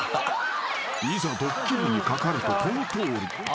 ［いざドッキリにかかるとこのとおり］